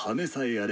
あれ？